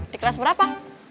di kelas berapa